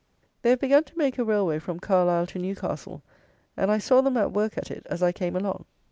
They have begun to make a railway from Carlisle to Newcastle; and I saw them at work at it as I came along.